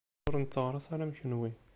Ur netteɣraṣ ara am kenwi.